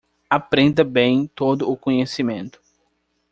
Aprenda bem todo o conhecimento